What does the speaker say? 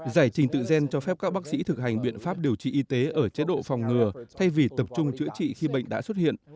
giải trình tự gen cho phép các bác sĩ thực hành biện pháp điều trị y tế ở chế độ phòng ngừa thay vì tập trung chữa trị khi bệnh đã xuất hiện